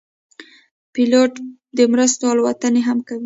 پیلوټ د مرستو الوتنې هم کوي.